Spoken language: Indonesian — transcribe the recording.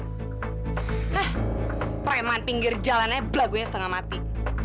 eh preman pinggir jalannya belah gue yang setengah mati